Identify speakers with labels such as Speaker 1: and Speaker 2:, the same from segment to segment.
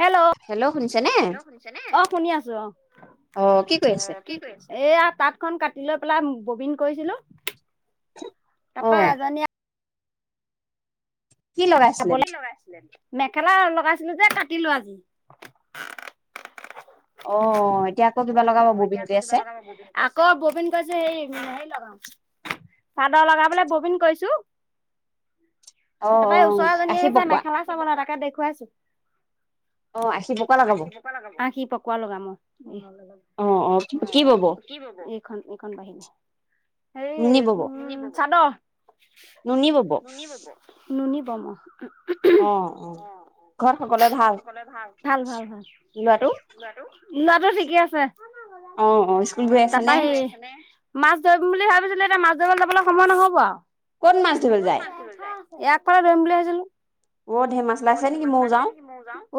Speaker 1: Hello. Hello শুনিছেনে? অহ, শুনি আছো অহ। কি কৰি আছে? এইয়া তাঁতখন কাটি লৈ পেলাই ববিন কৰিছিলোঁ। তাৰাপা এজনীয়ে কি লগাইছিলে, মেখেলা লগাইছিলো যে কাটিলো আজি।
Speaker 2: অ' এতিয়া আকৌ কিবা লগাব ববিন কৰি আছে?
Speaker 1: আকৌ ববিন কৰিছে হেৰি লগাম। চাদৰ লগাবলে ববিন কৰিছো। তাৰপৰা ওচৰৰ এজনী আহিছে মেখেলা চাবলৈ তাকে দেখুৱাইছো। অ' আ'ষি পকোৱা লগাম অ'। কি এইখন এইখন বাহনে এই উ [unintelligible] চাদৰ, নুনি ব'ম ভাল, ভাল, ভাল। ল'ৰাটো ঠিকে আছে তাৰপা হেৰি মাছ ধৰিম বুলি ভাবিছিলো, এতিয়া মাছ ধৰিব যাবলৈ সময় নহব আৰু। এই আগফালে ধৰিম বুলি ভাবিছিলো।
Speaker 2: অ' ধেৰ মাছ ওলাইছে নেকি ময়ও যাওঁ?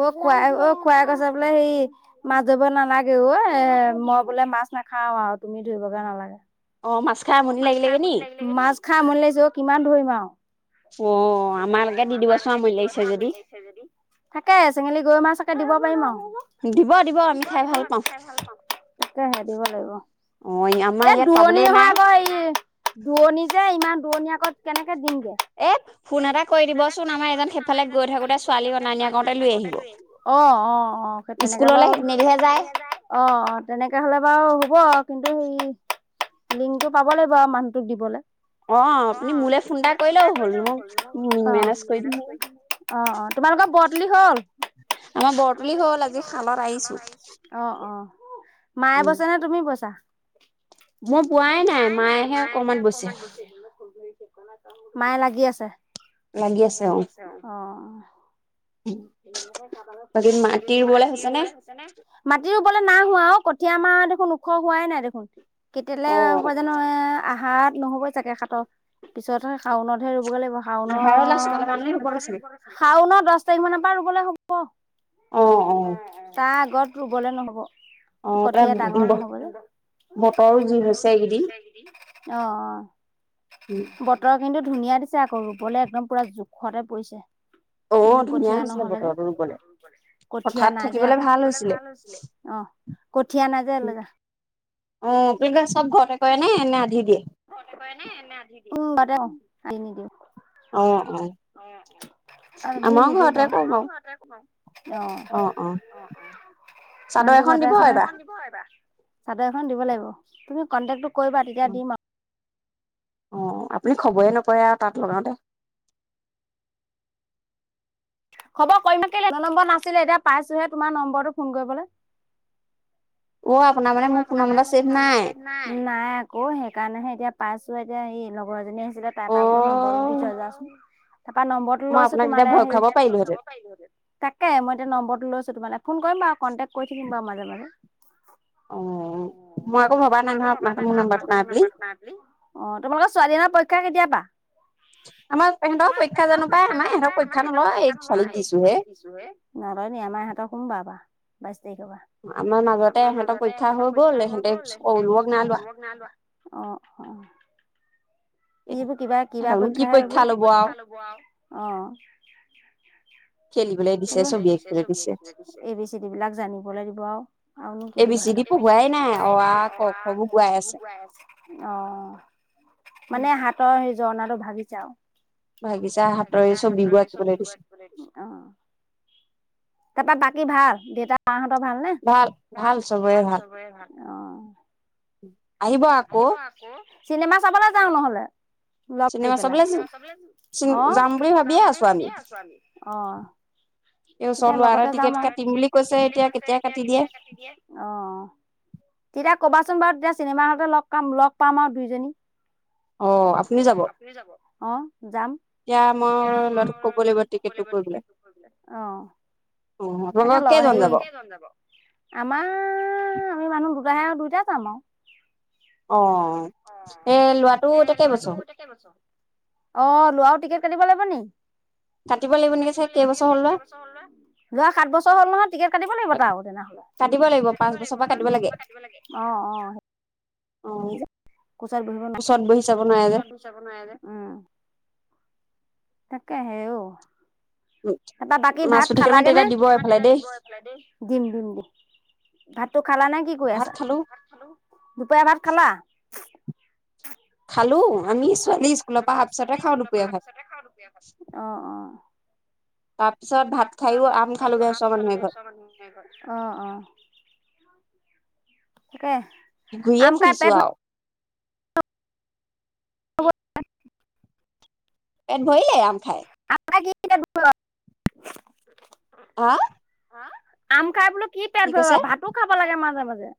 Speaker 1: অঔ খুৰাই অ' খুৰাই কৈছে বোলে হেৰি মাছ ধৰিব নালাগে ঐ মই বোলে মাছ নাখাওঁ আৰু তুমি ধৰিবগে নালাগে।
Speaker 2: অ' মাছ
Speaker 1: অ' মাছ খাই আমনি লাগিছে অ', কিমান ধৰিম আও
Speaker 2: অ' আমালকে দি দিব চোন আমনি লাগিছে যদি।
Speaker 1: থাকে চেঙেলী গৈ মাছকে দিব পাৰিম আৰু।
Speaker 2: দিব, দিব।
Speaker 1: দিব দিব আমি খাই ভাল পাওঁ, তাকেহে দিব লাগিব।
Speaker 2: অ' আমাৰ ইয়াত পাবলৈয়ে নাই।
Speaker 1: দুৰণি যে ইমান দুৰণি আকৌ কেনেকে দিমগে?
Speaker 2: এ ফোন এটা কৰি দিবচোন, আমাৰ এজন সেইফালে গৈ থাকোতে ছোৱালী অনা নিয়া কৰোতে লৈ আহিব।
Speaker 1: অ', অ', অ' সেই তেনেকে বাৰু অ', অ' তেনেকে হ'লে বাৰু হ'ব, কিন্তু সেই লিংকটো পাব লাগিব মানুহটোক দিবলৈ।
Speaker 2: অ' আপুনি মোলে ফোন এটা কৰিলেও হ'ল, মই মেনেজ কৰি দিম আৰু।
Speaker 1: অ', অ' তোমালোকৰ ব তুলি হ'ল?
Speaker 2: আমাৰ ব তুলি হ'ল আজি শালত আৰিছো।
Speaker 1: অ', অ' মায়ে বৈচে নে তুমি বৈচা?
Speaker 2: মই বোৱাই নাই মায়েহে অকণমান বৈছে।
Speaker 1: মায়ে লাগি আছে লাগি আছে অ'। মাটি ৰুবলৈ হৈছে নে? মাটি ৰুবলৈ নাই হোৱা আৰু কঠীয়া আমাৰ দেখোন ওখ হোৱাই নাই দেখোন। কেতিয়ালে আৰু নহয় আহাৰত নহবই চাগে সাতৰ পিছতহে শাওনতহে ৰুবগৈ লাগিব। শাওন শাওনৰ দহ তাৰিখ মানৰ পৰা ৰুবলৈ হ'ব।
Speaker 2: অ', অ'।
Speaker 1: তাৰ আগত ৰুবলে নহ'ব।
Speaker 2: অ' তাত বতৰো যি হৈছে এইকেইদিন।
Speaker 1: অ', অ'। বতৰ কিন্তু ধুনীয়া দিছে আকৌ, ৰুবলৈ একদম পুৰা জোখতে পৰিছে।
Speaker 2: অ' বৰ ধুনীয়া বতৰটো ৰুবলে
Speaker 1: কঠিয়া নাই যে ভাল হৈছিলে অ কঠীয়া নাই যে লৈ যা
Speaker 2: অ তোকে চব ঘৰতে কৰে নে এনে আধি দিয়ে
Speaker 1: ঘৰতে কৰে নে এনে, আনি দিয়ে? [unintelligible] ঘৰতে কৰোঁ, আনি নিদিয়ে।
Speaker 2: অ', অ'।
Speaker 1: আধি নিদিওঁ বাৰু। অ', অ', অ'। মানুহটো ঘৰতে আছে নে? চাদৰ এখন দিব লাগিব, তুমি কণ্টেক্টো কৰিবা, তেতিয়া দিম আৰু
Speaker 2: অ', আপুনি খবৰেই নকৰে আৰু তাঁত লগাওঁতে
Speaker 1: খবৰ কৰিম নো কেলে, তোমাৰ নম্বৰ নাছিলে, এতিয়া পাইছোঁহে তোমাৰ নম্বৰটো, ফোন কৰিবলৈ
Speaker 2: অ', আপোনাৰ মানে, মোৰ ফোনৰ নম্বৰ ছেভ নাই
Speaker 1: নাই আকৌ, সেইকাৰণেহে, এতিয়া পাইছোঁ, এতিয়া এই লগৰ এজনীয়ে ছিলে, তাইৰ পৰা বোলো, নম্বৰটো দি থৈ যাচোন। তাৰ পৰা নম্বৰটো লৈছোঁ, তোমালে হেৰি তাকে, মই এতিয়া নম্বৰটো লৈছোঁ, তোমালে ফোন কৰিম বাৰু, কণ্টেক কৰি থাকিম বাৰু মাজে-মাজে।
Speaker 2: অ', মই আকৌ ভাবা নাই নহয়, আপোনাৰ তাত মোৰ নম্বৰটো নাই বুলি।
Speaker 1: নাই বুলি অ', তোমালোকৰ ছোৱালীজনীৰ পৰীক্ষা কেতিয়াৰ পৰা?
Speaker 2: আমাৰ তেহেঁতৰ পৰীক্ষা জানো পাই, আমাৰ এহেঁতক পৰীক্ষা নলয়, এই ছোৱালীক দিছো হে
Speaker 1: নলয় নি? আমাৰ ইহঁতৰ সোমবাৰৰ পৰা, বাইশ তাৰিখৰ পৰা'-
Speaker 2: আমাৰ মাজতে ইহঁতৰ পৰীক্ষা হৈ গ'ল, ইহঁতে [unintelligible] নাই লোৱা।
Speaker 1: অ', অ'। এইবোৰ কিবা, কিবা পৰীক্ষাহে এইবোৰ অ'। এ, বি, চি, দি বিলাক জানিবলৈ দিব আৰু, আৰুনো কি দিব হে
Speaker 2: হোৱাই নাই অ, আ, ক, খ বোৰ গোৱাই আছে
Speaker 1: অ', মানে হাতৰ সেই ঝৰ্ণাটো ভাগিছে আৰু ভাগিছে, হাতৰ এই, ছবিবোৰ আঁকিবলৈ দিছে। তাৰপৰা বাকী ভাল? দেউতা-মাহঁতৰ ভাল নে? ভাল অ'।
Speaker 2: আহিব আকৌ
Speaker 1: চিনেমা চাবলৈ যাওঁ ন'হ'লে? লগ দি পেলাই, চিনেমা চাবলৈ, অ', যাম বুলি ভাবিয়েই আছোঁ আমি, অ'। তেতিয়া লগতে যাম আৰু, টিকট কাটিম বুলি কৈছে, এতিয়া, কেতিয়া কাটি দিয়ে? অ', তেতিয়া ক'বাচোন বাৰু, তেতিয়া চিনেমা হ'লতে লগ পাম, লগ পাম আৰু দুইজনী। অ', আপুনিও যাব? অ', যাম।
Speaker 2: তিয়া মই
Speaker 1: এতিয়া মই, ল'ৰাটোক ক'ব লাগিব টিকট কৰিবলৈ, অ'। তাকে ল', হেৰি, কেইজন যাব? আমাৰ, আমি মানুহ দুটাহে, আৰু দুইটাই যাম আৰু
Speaker 2: অ', এই ল'ৰাটো এতিয়া কেই বছৰ?
Speaker 1: অ', ল'ৰাও টিকট কাটিব লাগিব নি?
Speaker 2: কাটিব লাগিব নেকি চাই, কেই বছৰ?
Speaker 1: ল'ৰা সাত বছৰ হ'ল নহয়, টিকট কাটিব লাগিব তাৰো তেনেহ'লে। কাটিব লাগিব, পাঁচ বছৰৰ পৰা কাটিব লাগে, অ', অ'।
Speaker 2: অ', ওচৰত বহি চাব নোৱাৰে যে
Speaker 1: চাব নোৱাৰে যে, উম। তাকেহে ঔ
Speaker 2: [unintelligible]
Speaker 1: তাৰপা বাকী ভাত খালাগে নে? দিম দিম দিম, ভাতটো খালা নে? কি কৰি আছা? দুপৰীয়া ভাত খালা?
Speaker 2: খালো, আমি ছোৱালী স্কুলৰ পৰা অহাৰ পিছতে খাওঁ দুপৰীয়া ভাত।
Speaker 1: [unintelligible] অ', অ'।
Speaker 2: তাৰ পিছত ভাত খায়ও আম খালোঁ‌গে ওচৰ মানুহ এঘৰত।
Speaker 1: অ', অ' তাকে
Speaker 2: ঘূৰিয়ে ফুৰিছো আৰু। পেট ভৰিলেই আম খাই।
Speaker 1: [unintelligible]
Speaker 2: হা?
Speaker 1: আম খাই বোলো কি পেট ভৰিব? ভাতো খাব লাগে মাজে-মাজে।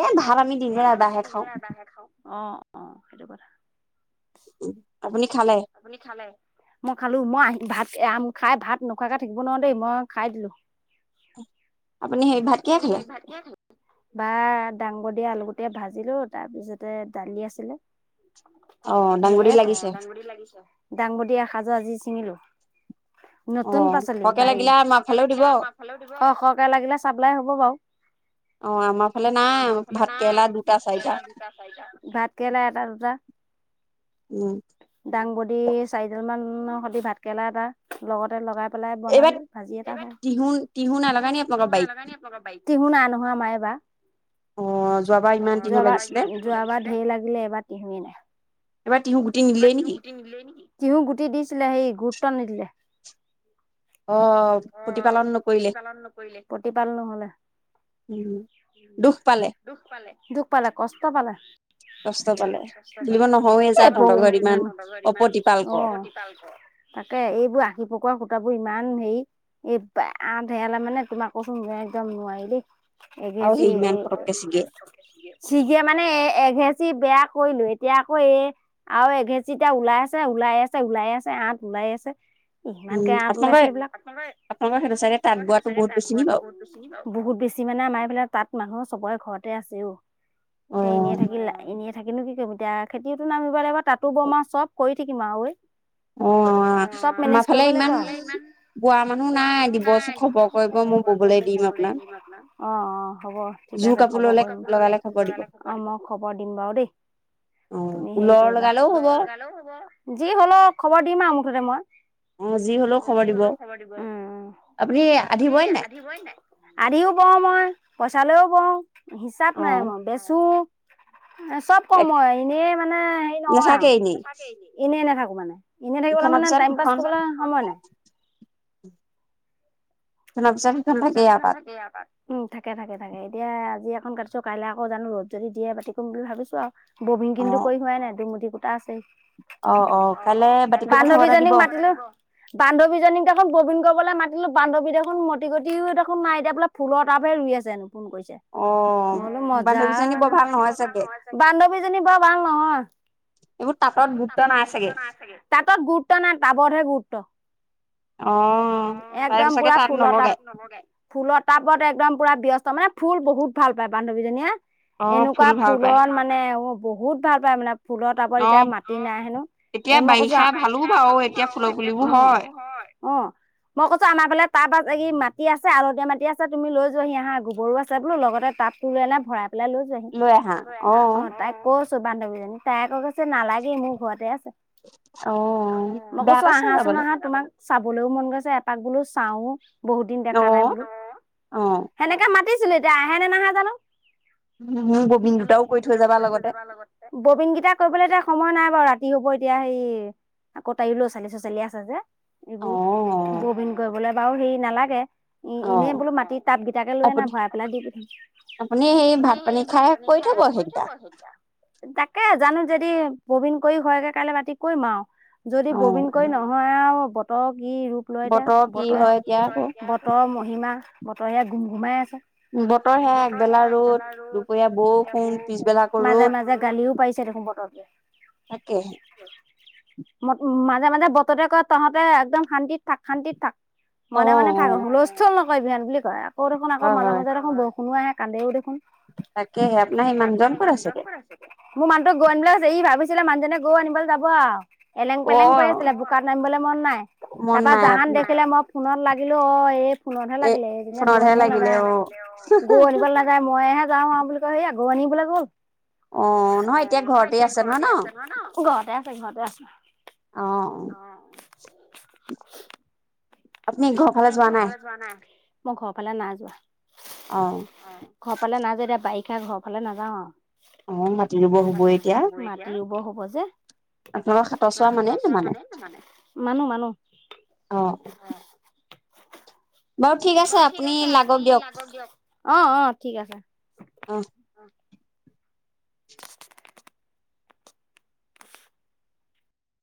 Speaker 2: এ ভাত আমি
Speaker 1: এ ভাত আমি দিনটোত এবাৰহে খাওঁ, অ' অ' সেইটো কথা।
Speaker 2: আপুনি খালে?
Speaker 1: আপুনি খালে? মই খালো, মই আম খাই ভাত নোখোৱাকে থাকিব নোৱাৰো দেই, মই খাই দিলো।
Speaker 2: আপুনি হেৰি ভাত কিহে খালে?
Speaker 1: বা ডাংবডি, আলু গুটিয়ে ভাজিলোঁ তাৰপিছতে দালি আছিলে। অ' দাঙবদী লাগিছে? দাংবদী এসাজৰ আজি ছিঙিলো। নতুন পাচলি বাৰীৰ, সৰহ কে লাগিলে আমাৰফালেও দিব, অ', সৰহকে লাগিলে চাপ্লাই হ'ব বাৰু, অ', আমাৰ ফালে নাই, ভাত কেৰেলা ভাত কেৰেলা এটা দুটা।
Speaker 2: উম।
Speaker 1: দাংবডী চাৰিডাল মানৰ সৈতি ভাত কেৰেলা এটা, লগতে লগাই
Speaker 2: এইবাৰ টিহুঁ‌, টিঁ‌হু নাই লগা নেকি আপোনালোকৰ বাৰীত?
Speaker 1: টিঁ‌হু নাই নহয় আমাৰ এইবাৰ। যোৱাবাৰ, যোৱাবাৰ ঢেৰ লাগিলে এইবাৰ টিঁ‌হুৱে নাই।
Speaker 2: এইবা টিঁ‌হু গো
Speaker 1: তিহু গুটি দিছিলে, সেই গুৰুত্ব নিদিলে। অ', প্ৰতিপালন নকৰিলে, প্ৰতিপাল নহ'লে। দুখ পালে। দুখ পালে, কষ্ট পালে। কষ্ট পালে, এ পহু [unintelligible] অ'। তাকে, এইবোৰ আশি পকোৱা সূতাবোৰ ইমান হেৰি। এই আঁত হেৰালে মানে তোমাক কৈছো, একদম নোৱাৰি দেই। এগেচি এ চিঘে মানে এ, এঘেচি বেয়া কৰিলো, এতিয়া আকৌ এ আৰু এঘেচি এতিয়া ওলাই আছে, ওলাই আছে, ওলাই আছে আঁ‌ঠ ওলাইয়ে আছে। ইমানকে আঁত ওলাইছে এইবিলাক, [unintelligible] বহুত বেছি মানে আমাৰ এইফালে তাত মানুহ চবৰে ঘৰতে আছে অ'। এতিয়া এনেইে থাকিল, এনে থাকিনো কি কৰিব, এতিয়া খেতিটো নামিব লাগিব, তাতো বম আৰু চব কৰি থাকিম আও ঐ, চব মেনেজ কৰিব লাগিব আৰু। বোৱা মানুহ নাই দিবচোন, খবৰ কৰিব মই ববলৈ দিম আপোনাক, অ', অ', হ'ব। ঠিক আছে খবৰ কৰিম, অ' মই খবৰ দিম বাৰু দেই।
Speaker 2: অ', ওলৰ লগালেও হ'ব।
Speaker 1: [unintelligible] যি হ'লও খবৰ দিম আৰু মুঠতে মই। অ' যি হ'লও খবৰ দিব, অ' অ'! আপুনি আধি বয়নে নাই? আধিও বও মই, পইচা লৈও বও। হিচাপ নাই মোৰ, বেচো, চব কৰো মই। এনেই মানে নহয়, নাথাকেই এনেই নাথাকো মানে এনে থাকিবলে মানে টাইম পাছ কৰিবলে সময় নাই।
Speaker 2: [unintelligible]
Speaker 1: উম, থাকে থাকে থাকে এতিয়া আজি এখন কাটিছো, কাইলৈ আকৌ জানো ৰদ যদি দিয়ে [unintelligible] বুলি ভাবিছো আৰু। ববিন কিন্তু কৰি হোৱাই নাই, দুই মুঠি সূতা আছেই। অ' অ' বান্ধৱীজনীক মাতিলো। বান্ধৱীজনীক দেখোন ববীন কৰিবলৈ মাতিলো। বান্ধৱী দেখোন মতি গতিও দেখোন নাই, এতিয়া বোলে ফুলৰ টাপহে ৰুই আছে হেনো ফোন কৰিছে। মই বোলো মজা [unintelligible] বান্ধৱীজনী বৰ ভাল নহয়।
Speaker 2: এইবোৰ তাঁতত গুৰুত্ব নাই চাগে।
Speaker 1: তাঁতত গুৰুত্ব নাই, টাবতহে গুৰুত্ব একদম পুৰা ফুলৰ টাব। ফুলৰ টাবত একদম পুৰা ব্যস্ত মানে ফুল বহুত ভাল পায় বান্ধৱীজনীয়ে। এনেকুৱা ফুলত মানে অ' বহুত ভাল পায় মানে ফুলত টাবত এতিয়া মাটি নাই হেনো। এ মই কৈছো যে [unintelligible] অ' মই কৈছো আমাৰ ফালে টাব আছে ই মা মাটি আছে হালধীয়া মাটি আছে তুমি লৈ যোৱা সি আহাঁ গোবৰো আছে বোলো লগতে টাবটো লৈ আনা ভৰাই পেলাই লৈ যোৱাহি। লৈ আহা, অ' তাইক কৈছো বান্ধৱীজনীক তাই আকৌ কৈছে নালাগে মোৰ ঘৰতে আছে। মই কৈছো আহাচোন আহা আহা তোমাক চাবলৈও মন গৈছে, এপাক বোলো চাও বহুত দিন দেখা নাই বোলো। এনেকে মাতিছিলো, এতিয়া আহেনে নাহে জানো।
Speaker 2: উম, মোৰ ববিন দুটাও কৰি থৈ যাবা লগতে।
Speaker 1: ববীন কেইটা কৰিবলে এতিয়া সময় নাই বাৰু ৰাতি হব এতিয়া হেই আকৌ তাইও ল'ৰা-ছোৱালী [unintelligible] আছে যে এইবোৰ ববিন কৰিবলৈ বাৰু হেৰি নালাগে। উম উম, এনে বোলো মাটি টাব কেইটাকে লৈ আনা ভৰাই দি [unintelligible]
Speaker 2: আপুনি সেই ভাত-পানী খাই শেষ কৰি থব সেইকিটা।
Speaker 1: তাকে জানো যদি ববীন কৰি হয়গে কাইলৈ ৰাতি কৰিম আৰু যদি ববীন কৰি নহ হয় আও বতৰ কি ৰূপ লয় এতিয়া বতৰে বতৰৰ মহিমা বতৰ এতিয়া গুমঘুমাই আছে। বতৰে আগবেলা ৰদ দুপৰীয়া বৰষুন মাজে মাজে গালিও পাৰিছে দেখোন বত [unintelligible]
Speaker 2: তাকে।
Speaker 1: মাজে মাজে বতৰটোৱে কয় তহঁতে একদম শান্তিত থাক শান্তিত থাক। মনে মনে হুলস্থুল নকৰিবি এই বুলি কয় আকৌ দেখোন আকৌ মাজে মাজে দেখোন বৰষুণো আহে কান্দেও দেখোন।
Speaker 2: তাকেহে, আপোনাৰ মানজন কত আছে এতিয়া?
Speaker 1: মোৰ মানটো গৰু আনিবলে গৈছে, ই ভাবিছিলে মানজনে গৰু আনিবলে যাব আও। এলেং পেলেং কৰি আছিলে বোকাত নামিবলে মন নাই তাৰপা জাহান দেখিলে মই ফোনত লাগে লাগিলো অ' এই ফোনতহে লাগিলে [unintelligible] যায় মইহে যাও আৰু বুলি কয় সেইয়া গৰু আনিবলৈ গ'ল। অ' নহয়, এতিয়া ঘৰতে আছে নহয় ন ঘৰতে আছে ঘৰতে আছে।
Speaker 2: অ'।
Speaker 1: ঘৰৰ ফালে যোৱা নাই, মই ঘৰৰ ফালে নাই যোৱা।
Speaker 2: অ'।
Speaker 1: ঘৰ ফালে যোৱা নাই এতিয়া বাৰিষা ঘৰ ফালে নাযাওঁ আৰু।
Speaker 2: অ', মাটি ৰুব হ'বই এতিয়া।
Speaker 1: ৰুব হ'ব যে [unintelligible] সাতৰ চোৱা মানে নে নামানে? মানো, মানো [unintelligible]
Speaker 2: বাৰু ঠিক আছে আপুনি লাগক দিয়ক।
Speaker 1: অ', অ', ঠিক আছে।
Speaker 2: অ'।